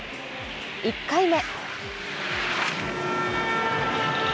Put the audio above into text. １回目。